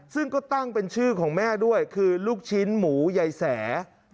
ซึ่งก็ตั้งเป็นชื่อของแม่ด้วยคือลูกชิ้นหมูยายแส